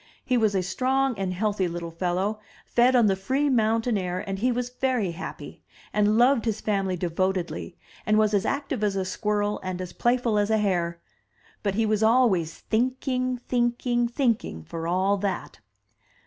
He was a strong and healthy little fellow, fed on the free mountain air and he was very happy, and loved his family de votedly, and was as active as a squirrel and as playful as a hare. But he was always thinking, thinking, thinking, for all that.